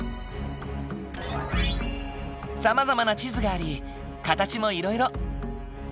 さまざまな地図があり形もいろいろ。